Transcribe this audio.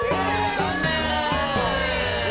残念！